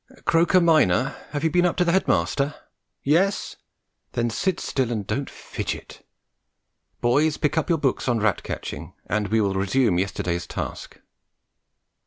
"Croker, minor, have you been up to the head master? Yes? Then sit still and don't fidget. Boys, pick up your books on rat catching, and we will resume yesterday's task."